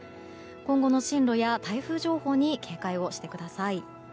今後の進路や台風情報に警戒をしてください。